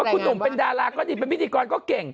คุณหนุ่มเป็นดาราก็ดีเป็นพิธีกรก็เก่ง